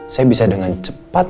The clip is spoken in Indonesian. saya bisa dengan cepat